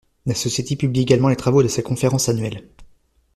La Société publie également les travaux de ses conférences annuelles.